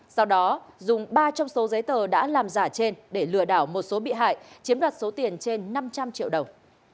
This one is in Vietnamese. sau đó dùng ba trong số giấy tờ đã làm giả trên để lừa đảo một số bị hại chiếm đoạt số tiền trên năm trăm linh triệu đồng